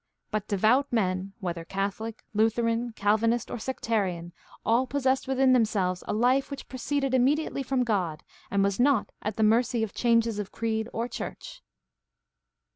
But devout men, whether Catholic, Lutheran, Calvinist, or sectarian, all possessed within themselves a life which pro ceeded immediately from God and was not at the mercy of changes of creed or church.